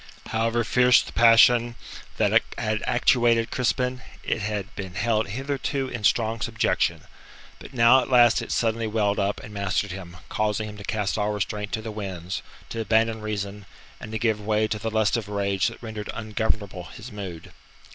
However fierce the passion that had actuated Crispin, it had been held hitherto in strong subjection. But now at last it suddenly welled up and mastered him, causing him to cast all restraint to the winds, to abandon reason, and to give way to the lust of rage that rendered ungovernable his mood.